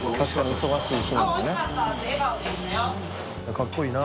かっこいいな。